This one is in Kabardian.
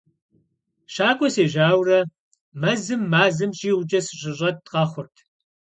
ЩакӀуэ сежьэурэ, мэзым мазэм щӀигъукӀэ сыщыщӀэт къэхъурт.